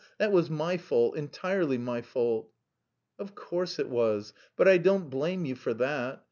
That was my fault, entirely my fault!" "Of course it was, but I don't blame you for that.